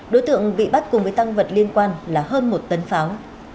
đối tượng bị bắt cùng với tăng vật liên quan là hơn một tấn pháo